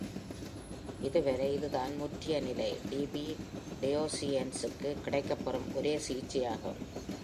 இதுவரை இதுதான் முற்றிய நிலை "டி. பி. ரோடேசியென்சுக்கு" கிடைக்கப்பெறும் ஒரே சிகிச்சையாகும்.